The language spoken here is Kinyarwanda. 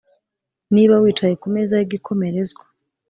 Niba wicaye ku meza y’igikomerezwa,